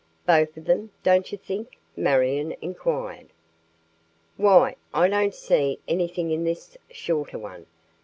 "Both of them, don't you think?" Marion inquired. "Why? I don't see anything in this shorter one.